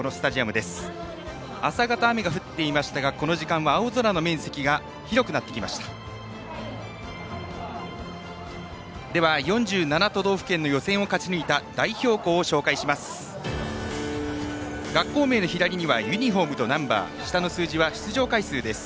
では、４７都道府県の予選を勝ち抜いた代表校を紹介します。